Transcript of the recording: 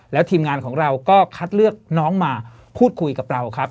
แล้วทีมงานของเราก็คัดเลือกน้องมาพูดคุยกับเราครับ